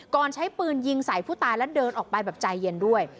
ใช้ปืนยิงใส่ผู้ตายแล้วเดินออกไปแบบใจเย็นด้วย